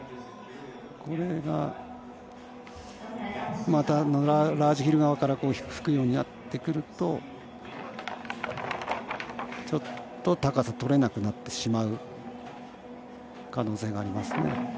これが、ラージヒル側から吹くようになってくるとちょっと高さ取れなくなってしまう可能性がありますね。